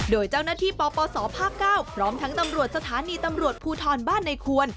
โดยเจ้าหน้าที่ปปศภาค๙พร้อมทั้งตำรวจสถานีตำรวจภูทรบ้านในควร